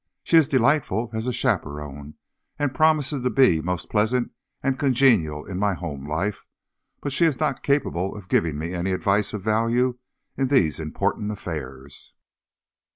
She is delightful as a chaperon and promises to be most pleasant and congenial in my home life, but she is not capable of giving me any advice of value in these important affairs."